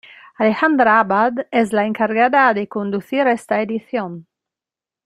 Alejandra Abad es la encargada de conducir esta edición.